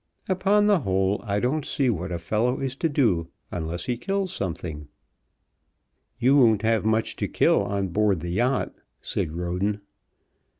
Upon the whole I don't see what a fellow is to do unless he kills something." "You won't have much to kill on board the yacht," said Roden.